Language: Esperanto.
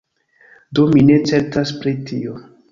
Do mi ne certas pri tio.